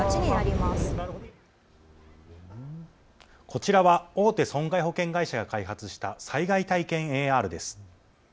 こちらは大手損害保険会社が開発した災害体験ＡＲです。